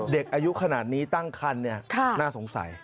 เด็กอายุขนาดนี้ตั้งคันน่าสงสัย